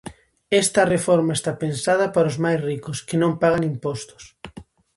Esta reforma está pensada para os máis ricos, que non pagan impostos.